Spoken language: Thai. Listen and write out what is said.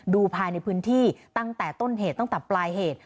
ภายในพื้นที่ตั้งแต่ต้นเหตุตั้งแต่ปลายเหตุ